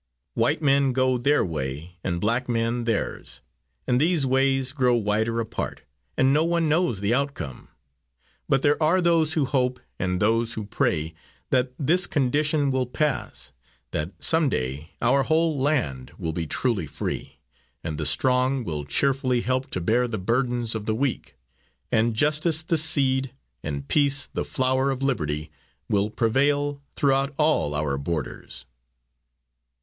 White men go their way, and black men theirs, and these ways grow wider apart, and no one knows the outcome. But there are those who hope, and those who pray, that this condition will pass, that some day our whole land will be truly free, and the strong will cheerfully help to bear the burdens of the weak, and Justice, the seed, and Peace, the flower, of liberty, will prevail throughout all our borders.